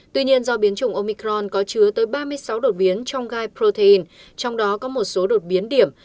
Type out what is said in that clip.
tuy nhiên do biến chủng omicron có chứa tới ba mươi sáu đột biến trong gai protein trong đó có một số đột biến điểm